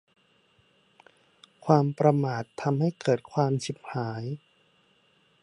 ความประมาททำให้เกิดความฉิบหาย